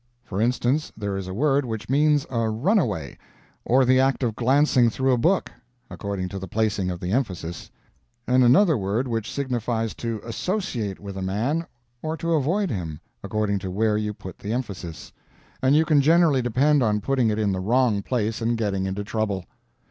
For instance, there is a word which means a runaway, or the act of glancing through a book, according to the placing of the emphasis; and another word which signifies to ASSOCIATE with a man, or to AVOID him, according to where you put the emphasis and you can generally depend on putting it in the wrong place and getting into trouble.